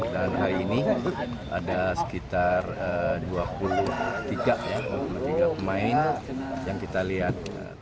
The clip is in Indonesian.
dan hari ini ada sekitar dua puluh tiga pemain yang kita lihat